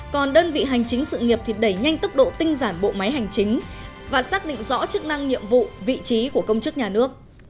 còn đơn vị hành chính sự nghiệp thì đẩy nhanh tốc độ tinh giản bộ máy hành chính và xác định rõ chức năng nhiệm vụ vị trí của công chức nhà nước